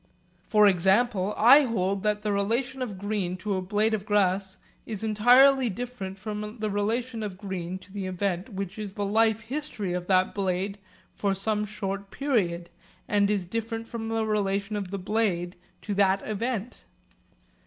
For example, I hold that the relation of green to a blade of grass is entirely different from the relation of green to the event which is the life history of that blade for some short period, and is different from the relation of the blade to that event.